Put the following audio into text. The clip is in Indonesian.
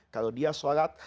kalau dia sholat